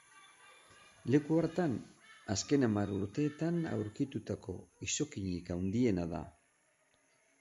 Leku hartan azken hamar urteetan aurkitutako izokinik handiena da.